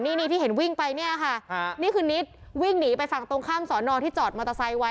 นี่ที่เห็นวิ่งไปเนี่ยค่ะนี่คือนิดวิ่งหนีไปฝั่งตรงข้ามสอนอที่จอดมอเตอร์ไซค์ไว้